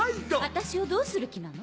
私をどうする気なの？